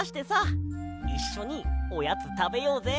いっしょにおやつたべようぜ。